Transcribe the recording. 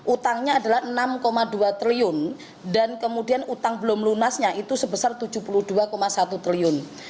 utangnya adalah enam dua triliun dan kemudian utang belum lunasnya itu sebesar rp tujuh puluh dua satu triliun